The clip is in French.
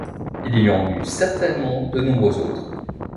Il y en eut certainement de nombreux autres.